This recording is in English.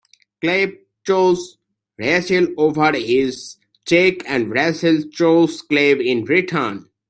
Caleb chose Rachel over his check and Rachel chose Caleb in return.